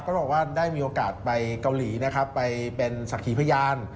ก็บอกว่าได้มีโอกาสไปเกาหลีไปเป็นศักดิ์พยาน